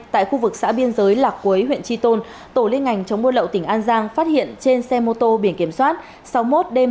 tại khu vực xã biên giới lạc quế huyện tri tôn tổ liên ngành chống buôn lậu tỉnh an giang phát hiện trên xe mô tô biển kiểm soát sáu mươi một d một trăm ba mươi hai nghìn sáu trăm một mươi sáu